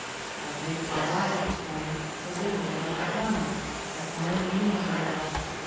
I had made up my mind this morning to live here like a hermit, get my own meals, and all that.